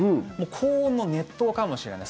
高温の熱湯かもしれない。